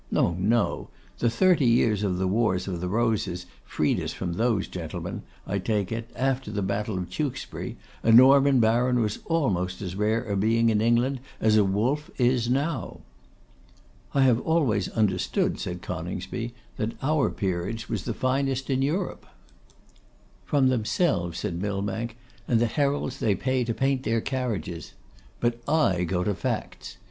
No, no; the thirty years of the wars of the Roses freed us from those gentlemen. I take it, after the battle of Tewkesbury, a Norman baron was almost as rare a being in England as a wolf is now.' 'I have always understood,' said Coningsby, 'that our peerage was the finest in Europe.' 'From themselves,' said Millbank, 'and the heralds they pay to paint their carriages. But I go to facts.